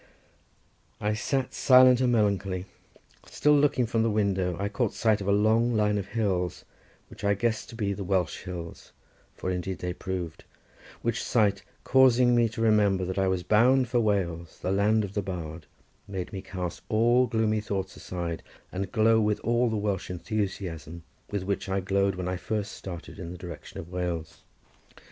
I sat silent and melancholy, till looking from the window I caught sight of a long line of hills, which I guessed to be the Welsh hills, as indeed they proved, which sight causing me to remember that I was bound for Wales, the land of the bard, made me cast all gloomy thoughts aside and glow with all the Welsh enthusiasm with which I glowed when I first started in the direction of Wales.